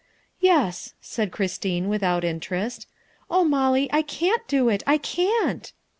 " Yes," said Christine, without interest. " Oh Molly, I can't do it! I can't!"